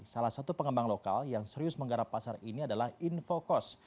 salah satu pengembang lokal yang serius menggarap pasar ini adalah infocos